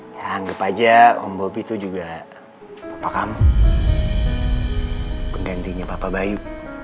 ya anggap aja om bobi tuh juga papa kamu pendantinya papa bayu